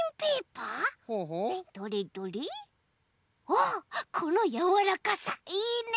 おっこのやわらかさいいね！